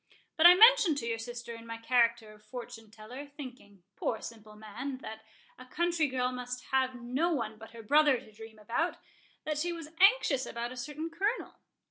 But I mentioned to your sister in my character of fortune teller,—thinking, poor simple man, that a country girl must have no one but her brother to dream about,—that she was anxious about a certain Colonel.